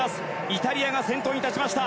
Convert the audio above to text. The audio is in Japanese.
イタリアが先頭に立ちました。